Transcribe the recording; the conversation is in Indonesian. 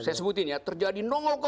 saya sebutin ya terjadi